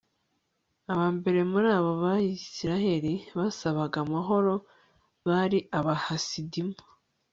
aba mbere muri abo bayisraheli basabaga amahoro bari abahasidimu